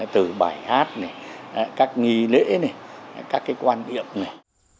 từ bài hát này các nghỉ lễ này các cái quan điệp này